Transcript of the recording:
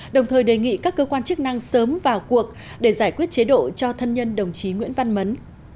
đồng thời đề nghị các cơ quan chức năng sớm vào cuộc để giải quyết chế độ cho thân nhân đồng chí nguyễn văn mấn